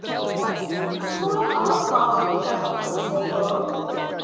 "Yes, the smaller our party the better, I say," said Bourne.